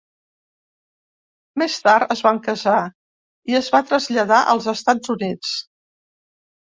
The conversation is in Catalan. Més tard es va casar i es va traslladar als Estats Units.